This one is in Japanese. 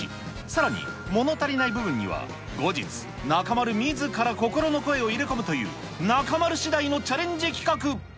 さらにもの足りない部分には後日、中丸みずから心の声を入れ込むという、中丸しだいのチャレンジ企画。